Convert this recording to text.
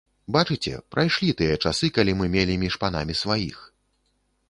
Бачыце, прайшлі тыя часы, калі мы мелі між панамі сваіх.